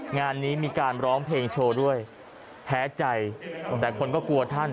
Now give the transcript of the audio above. งานนี้มีการร้องเพลงโชว์ด้วยแพ้ใจแต่คนก็กลัวท่าน